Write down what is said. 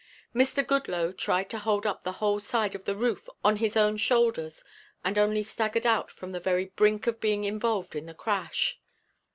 Mr. Goodloe tried to hold up the whole side of the roof on his own shoulders and only staggered out from the very brink of being involved in the crash.